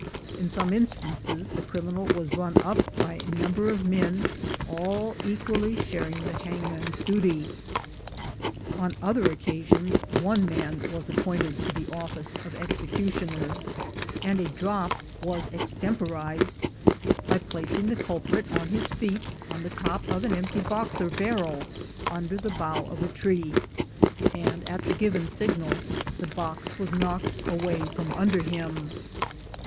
In some instances the criminal was run up by a number of men, all equally sharing the hang man's duty ; on other occasions, one man was appointed 220 THE GOLD HUNTERS to the office of executioner, and a drop was extempo rized by placing the culprit on his feet on the top of an empty box or barrel, under the bough of a tree, and at the given signal the box was knocked away from under him.